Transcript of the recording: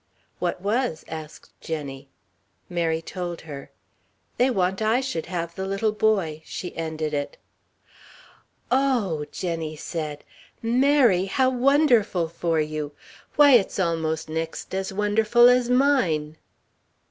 "What was?" asked Jenny. Mary told her. "They want I should have the little boy," she ended it. "Oh...." Jenny said. "Mary! How wonderful for you! Why, it's almost next as wonderful as mine!"